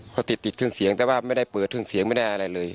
เขาติดติดเครื่องเสียงแต่ว่าไม่ได้เปิดเครื่องเสียงไม่ได้อะไรเลย